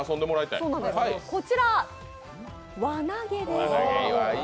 こちら、輪投げです。